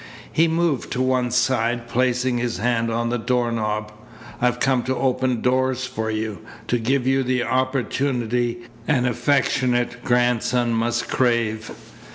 He moved to one side, placing his hand on the door knob. "I've come to open doors for you, to give you the opportunity an affectionate grandson must crave."